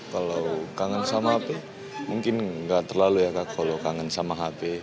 kalau kangen sama hp mungkin nggak terlalu ya kak kalau kangen sama hp